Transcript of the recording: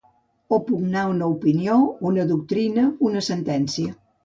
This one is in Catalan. Opugnar una opinió, una doctrina, una sentència.